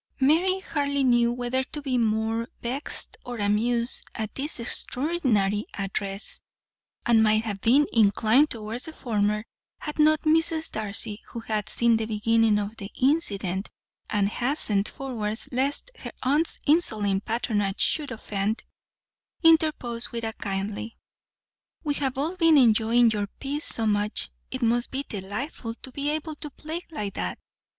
Mary hardly knew whether to be more vexed or amused at this extraordinary address, and might have been inclined towards the former, had not Mrs. Darcy, who had seen the beginning of the incident, and hastened forward lest her aunt's insolent patronage should offend, interposed with a kindly: "We have all been enjoying your piece so much. It must be delightful to be able to play like that.